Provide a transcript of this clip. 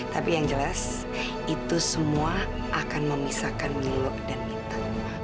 tapi yang jelas itu semua akan memisahkan muluk dan kita